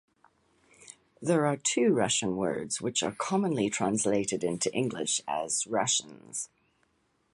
There are two Russian words which are commonly translated into English as "Russians".